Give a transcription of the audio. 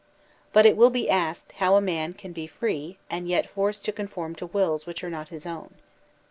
But it will be asked how a man can be free and yet forced to conform to wills which are not his own.